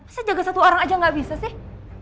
masa jaga satu orang saja nggak bisa sih